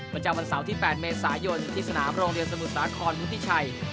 ประจำวันเสาร์ที่๘เมษายนที่สนามโรงเรียนสมุทรสาครวุฒิชัย